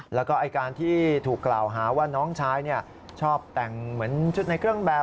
แล้วก็การที่ถูกกล่าวหาว่าน้องชายชอบแต่งเหมือนชุดในเครื่องแบบ